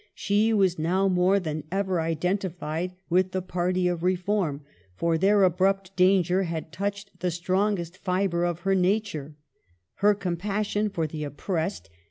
She was now more than ever identified with the party of reform, for their abrupt danger had touched the strong est fibre of her nature, — her compassion for the oppressed.